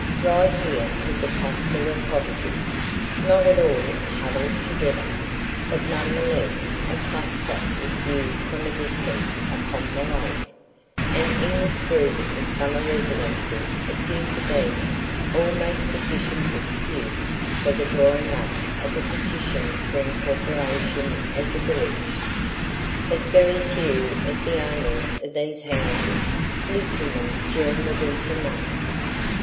Right here was a cluster of cottages, not at all huddled together, but none the less a cluster if viewed from a distance upon the lake, and in this group of summer residences appeared to be almost sufficient excuse for the drawing up of a petition for incorporation as a village. But very few of the owners of these houses lived in them during the winter months.